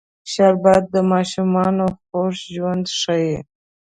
شربت د ماشومانو خوږ ژوند ښيي